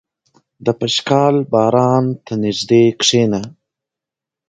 • د پشکال باران ته نږدې کښېنه.